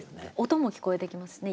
音も聞こえてきますしね。